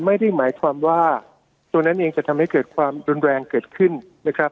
ไม่ได้หมายความว่าตัวนั้นเองจะทำให้เกิดความรุนแรงเกิดขึ้นนะครับ